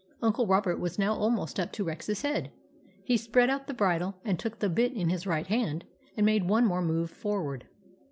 Uncle Robert was now almost up to Rex's head. He spread out the bridle and took the bit in his right hand and made one more move forward.